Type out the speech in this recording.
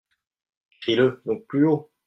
Crie-le donc plus haut.